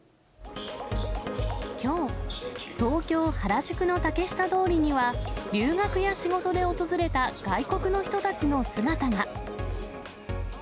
きょう、東京・原宿の竹下通りには、留学や仕事で訪れた外国の人たちの姿が。